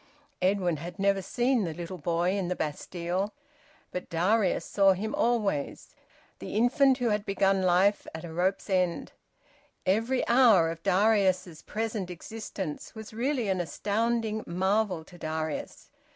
Edwin had never seen the little boy in the Bastille. But Darius saw him always, the infant who had begun life at a rope's end. Every hour of Darius's present existence was really an astounding marvel to Darius.